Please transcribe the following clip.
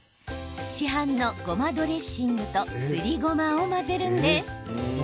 市販のごまドレッシングとすりごまを混ぜるんです。